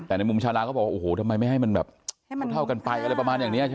แต่ในมุมชาวนาก็บอกโอ้โหทำไมไม่ให้เท่ากันไปอะไรประมาณนี้นะคะ